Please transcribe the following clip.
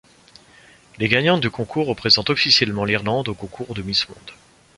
Les gagnantes du concours représentent officiellement l'Irlande au concours de Miss Monde.